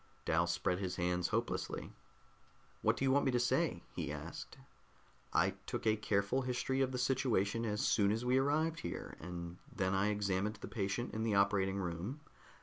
Dal spread his hands hopelessly. "What do you want me to say?" he asked. "I took a careful history of the situation as soon as we arrived here, and then I examined the patient in the operating room.